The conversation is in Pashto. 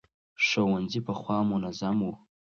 ښوونځي پخوا منظم وو.